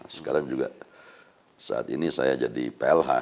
sekarang juga saat ini saya jadi plh